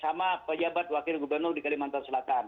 sama pejabat wakil gubernur di kalimantan selatan